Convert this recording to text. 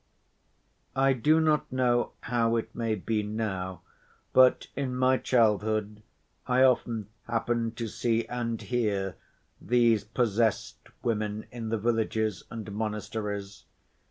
I do not know how it may be now, but in my childhood I often happened to see and hear these "possessed" women in the villages and monasteries.